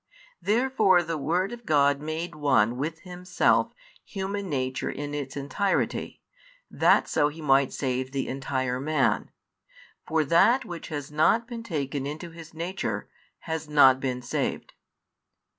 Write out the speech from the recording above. Therefore the Word of God made one with Himself human nature in its entirety, that so He might save the entire man. For that which has not been taken into His Nature, has not been saved.